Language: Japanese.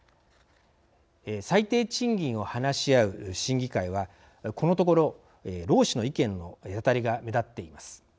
最低賃金を話し合う審議会はこのところ労使の意見の隔たりが目立っています。